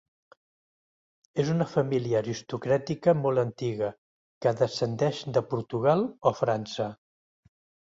És una família aristocràtica molt antiga que descendeix de Portugal o França.